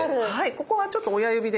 ここはちょっと親指で。